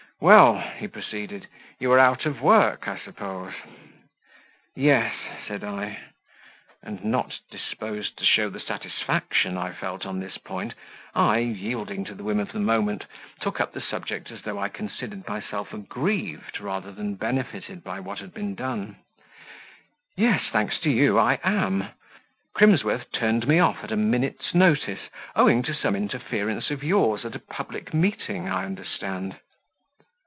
"Well," he proceeded. "You are out of work, I suppose." "Yes," said I; and not disposed to show the satisfaction I felt on this point, I, yielding to the whim of the moment, took up the subject as though I considered myself aggrieved rather than benefited by what had been done. "Yes thanks to you, I am. Crimsworth turned me off at a minute's notice, owing to some interference of yours at a public meeting, I understand."